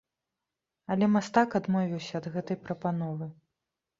Але мастак адмовіўся ад гэтай прапановы.